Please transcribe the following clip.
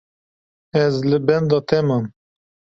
Ez li benda te mam.